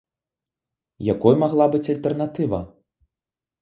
Якой магла быць альтэрнатыва?